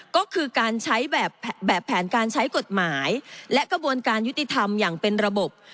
ก็คือการใช้แบบแผนการใช้กฎหมายและกระบวนการยุติธรรมอย่างเป็นระบบ